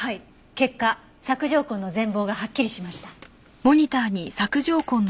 結果索条痕の全貌がはっきりしました。